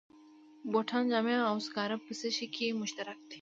بوټان، جامې او سکاره په څه شي کې مشترک دي